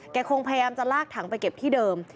คงพยายามจะลากถังไปเก็บที่เดิม